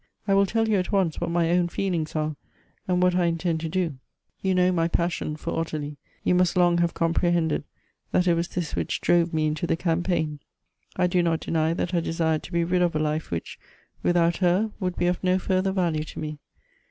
"I will tell you at once what my own feel ings are, and what I intend to do. You know my passion Elective Affikitiks. 267 for Ottilie ; you must long have comprehended that it was this which drove me into the campaign. I do not deny that I desired to he rid of a life which, without her, would be of no further value to me.